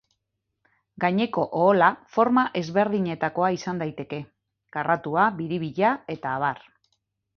Gaineko ohola forma ezberdinetakoa izan daiteke: karratua, biribila, eta abar.